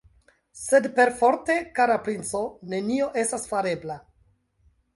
Sed perforte, kara princo, nenio estas farebla!